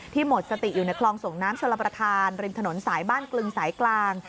หมดสติอยู่ในคลองส่งน้ำชลประธานริมถนนสายบ้านกลึงสายกลาง